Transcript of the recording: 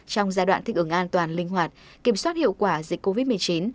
trong giai đoạn thích ứng an toàn linh hoạt kiểm soát hiệu quả dịch covid một mươi chín